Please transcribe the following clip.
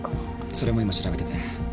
それも今調べてて。